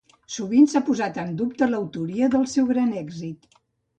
Sovint s'ha posat en dubte l'autoria del seu gran èxit.